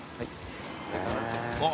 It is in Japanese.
あっ